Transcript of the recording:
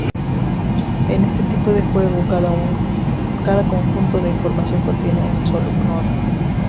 En este tipo de juego cada Conjunto de información contienen un solo nodo.